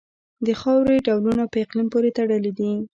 د خاورې ډولونه په اقلیم پورې تړلي دي.